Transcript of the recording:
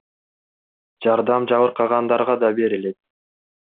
Жардам жабыркагандарга да берилет.